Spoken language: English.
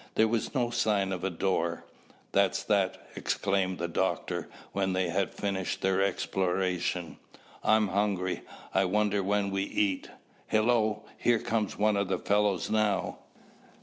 There was no sign of a door. "That's that," exclaimed the doctor when they had finished their exploration. "I'm hungry. I wonder when we eat. Hello, here comes one of the fellows now."